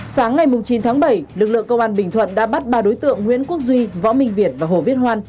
sáng ngày chín tháng bảy lực lượng công an bình thuận đã bắt ba đối tượng nguyễn quốc duy võ minh việt và hồ viết hoan